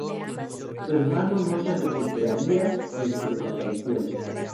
Su hermano no se recuperaría de su desaparición.